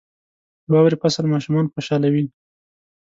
• د واورې فصل ماشومان خوشحالوي.